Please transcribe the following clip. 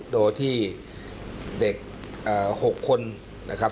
โดยที่เด็ก๖คนนะครับ